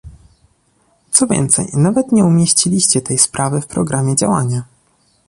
Co więcej, nawet nie umieściliście tej sprawy w programie działania